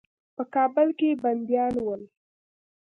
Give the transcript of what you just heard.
په کابل کې بندیان ول.